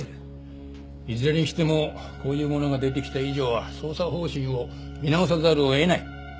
いずれにしてもこういうものが出てきた以上は捜査方針を見直さざるを得ない。